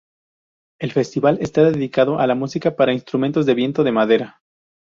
El festival está dedicado a la música para instrumentos de viento de madera.